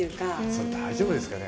それ大丈夫ですかね？